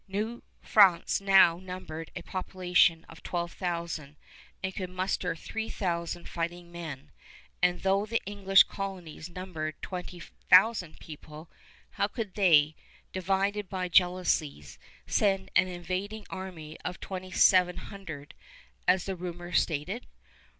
New France now numbered a population of twelve thousand and could muster three thousand fighting men; and though the English colonies numbered twenty thousand people, how could they, divided by jealousies, send an invading army of twenty seven hundred, as the rumor stated?